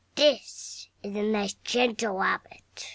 THIS is a nice gentle Rabbit.